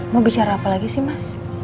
mau bicara apa lagi sih mas